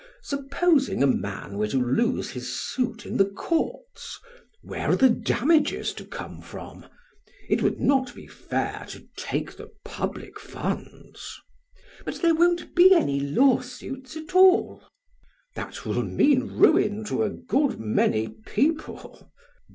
Supposing a man were to lose his suit in the courts, where are the damages to come from? It would not be fair to take the public funds. PRAX. But there won't be any lawsuits at all! BLEPS. That will mean ruin to a good many people!